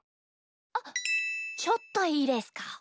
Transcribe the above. あちょっといいですか？